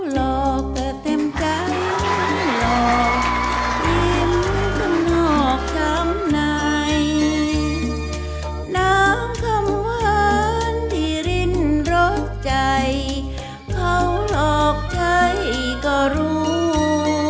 น้ำหลอกริ้มข้ำหอบช้ำในน้ำคำว้านที่ริ้นรสใจเขาหลอกใจก็รู้